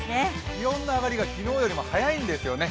気温の上がりが昨日よりも早いんですよね。